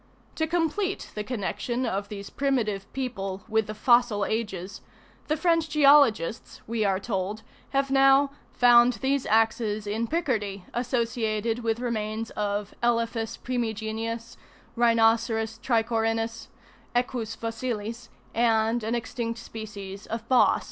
To complete the connection of these primitive people with the fossil ages, the French geologists, we are told, have now "found these axes in Picardy associated with remains of Elephas primigenius, Rhinoceros tichorhinus, Equus fossilis, and an extinct species of Bos."